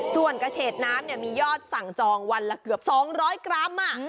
ส่วนกระเฉดน้ำมียอดสั่งจองวันละเกือบ๒๐๐กรัม